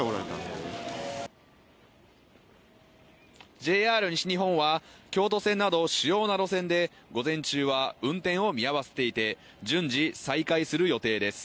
ＪＲ西日本は京都線など主要な路線で午前中は運転を見合わせていて順次再開する予定です